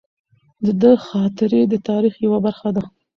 د ده خاطرې د تاریخ یوه برخه ده.